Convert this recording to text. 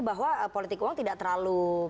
bahwa politik uang tidak terlalu